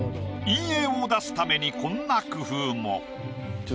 陰影を出すためにこんな工夫も。何？